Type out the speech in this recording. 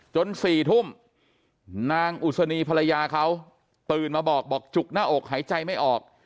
๔ทุ่มนางอุศนีภรรยาเขาตื่นมาบอกบอกจุกหน้าอกหายใจไม่ออก